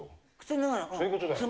そういうことだよ。